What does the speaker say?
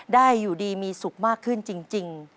ได้อยู่ดีมีสุขมากขึ้นจริง